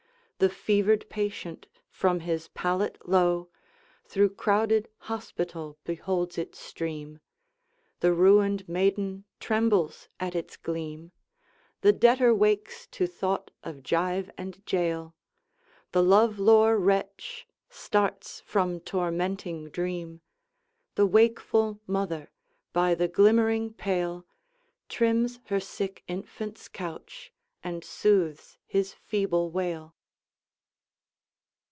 The fevered patient, from his pallet low, Through crowded hospital beholds it stream; The ruined maiden trembles at its gleam, The debtor wakes to thought of gyve and jail, 'The love lore wretch starts from tormenting dream: The wakeful mother, by the glimmering pale, Trims her sick infant's couch, and soothes his feeble wail.